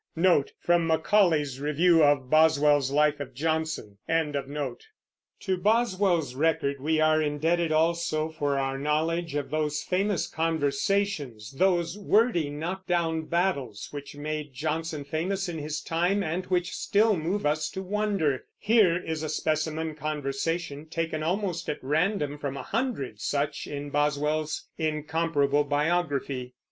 " To Boswell's record we are indebted also for our knowledge of those famous conversations, those wordy, knockdown battles, which made Johnson famous in his time and which still move us to wonder. Here is a specimen conversation, taken almost at random from a hundred such in Boswell's incomparable biography.